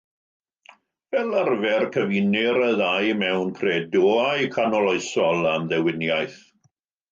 Fel arfer, cyfunir y ddau mewn credoau canoloesol am ddewiniaeth.